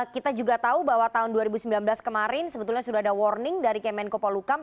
kita juga tahu bahwa tahun dua ribu sembilan belas kemarin sebetulnya sudah ada warning dari kemenko polukam